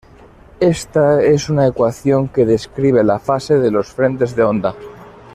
Esta es una ecuación que describe la fase de los frentes de onda.